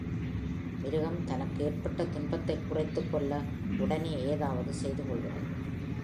மிருகம் தனக்கு ஏற்பட்ட துன்பத்தைக் குறைத்துக் கொள்ள உடனே ஏதாவது செய்துகொள்கிறது.